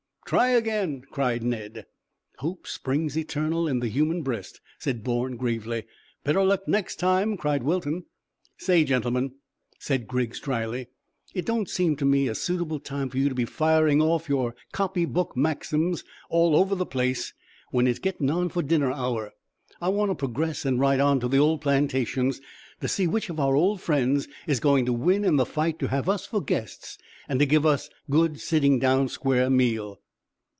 "Try again!" cried Ned. "Hope springs eternal in the human breast," said Bourne gravely. "Better luck next time," cried Wilton. "Say, gentlemen," said Griggs dryly, "it don't seem to me a suitable time for you to be firing off your copy book maxims all over the place when it's getting on for dinner hour. I want to progress and ride on to the old plantations to see which of our old friends is going to win in the fight to have us for guests and give us a good sitting down square meal."